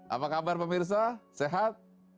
apa kabar pemirsa sehat